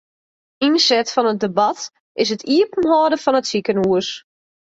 Ynset fan it debat is it iepenhâlden fan it sikehûs.